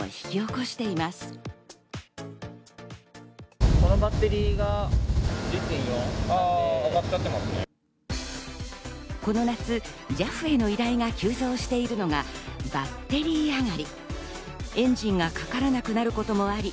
この夏、ＪＡＦへの依頼が急増しているのがバッテリー上がり。